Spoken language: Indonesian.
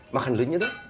makan dulu nya